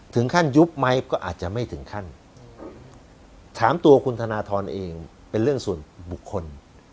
ยุคไหมก็อาจจะไม่ถึงขั้นถามตัวคุณธนทรเองเป็นเรื่องส่วนบุคคล